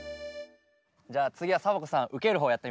じゃあつぎはサボ子さんうけるほうやってみましょう。